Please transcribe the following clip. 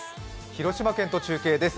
広島県と中継です。